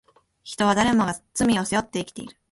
人は誰もが罪を背負って生きている